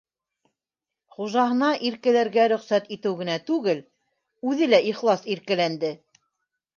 Хужаһына иркәләргә рөхсәт итеү генә түгел, үҙе лә ихлас иркәләнде.